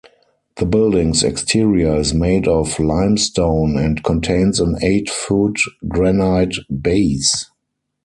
The building's exterior is made of limestone and contains an eight-foot granite base.